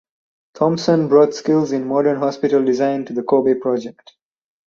Thompson brought skills in modern hospital design to the Kobe project.